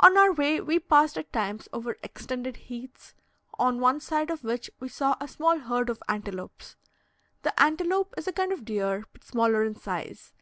On our way, we passed at times over extended heaths, on one of which we saw a small herd of antelopes. The antelope is a kind of deer, but smaller in size.